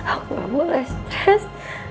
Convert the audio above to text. aku gak boleh stres